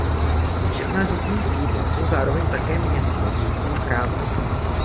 Všechna župní sídla jsou zároveň také města s župním právem.